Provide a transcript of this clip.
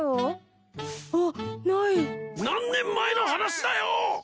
何年前の話だよ！